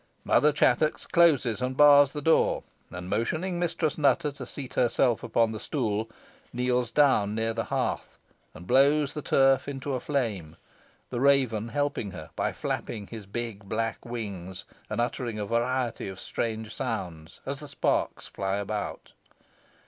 Mother Chattox closes and bars the door, and, motioning Mistress Nutter to seat herself upon the stool, kneels down near the hearth, and blows the turf into a flame, the raven helping her, by flapping his big black wings, and uttering a variety of strange sounds, as the sparks fly about.